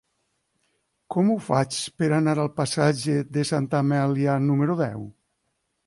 Com ho faig per anar al passatge de Santa Amèlia número deu?